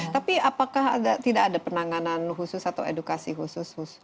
tapi apakah tidak ada penanganan khusus atau edukasi khusus